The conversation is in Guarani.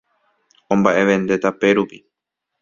Omba'evende tape rupi